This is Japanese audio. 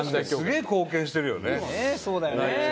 すげえ貢献してるよね。